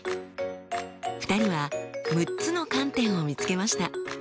２人は６つの観点を見つけました。